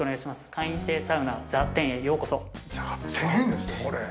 会員制サウナ「ｔｈｅ・」へようこそ。